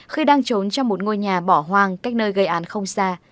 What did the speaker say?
khi đang trốn trong một ngôi nhà bỏ hoang cách nơi gây án không xa